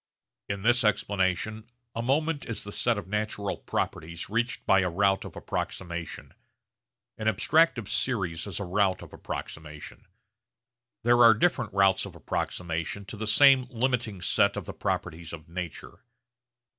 In this explanation a moment is the set of natural properties reached by a route of approximation. An abstractive series is a route of approximation. There are different routes of approximation to the same limiting set of the properties of nature.